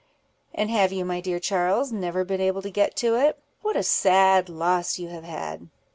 "And have you, my dear Charles, never been able to get to it? what a sad loss you have had!"